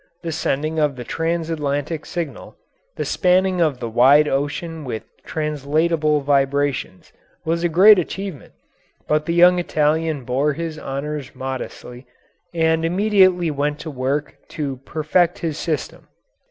The sending of the transatlantic signal, the spanning of the wide ocean with translatable vibrations, was a great achievement, but the young Italian bore his honours modestly, and immediately went to work to perfect his system.